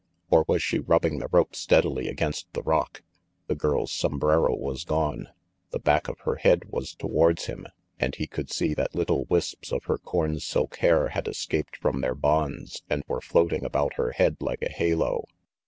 Or was she rubbing the rope steadily against the rock? The girl's som brero was gone. The back of her head was towards him, and he could see that little wisps of her corn silk hair had escaped from their bonds and were floating about her head like a halo.